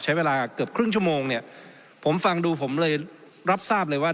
ใช้เวลาเกือบครึ่งชั่วโมงเนี่ยผมฟังดูผมเลยรับทราบเลยว่า